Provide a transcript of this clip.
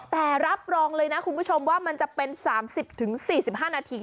แต่รับรองเลยนะคุณผู้ชมว่ามันจะเป็น๓๐๔๕นาที